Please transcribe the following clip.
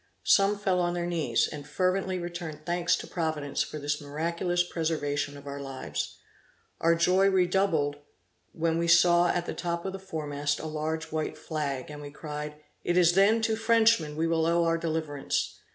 Some fell on their knees, and fervently returned thanks to Providence for this miraculous preservation of their lives. Our joy redoubled when saw we at the top of the fore mast a large white flag, and we cried, 'It is then to Frenchmen we will owe our deliverance.'